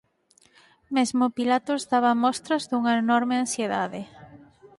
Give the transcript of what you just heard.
Mesmo Pilatos daba mostras dunha enorme ansiedade.